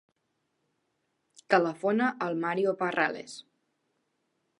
Telefona al Mario Parrales.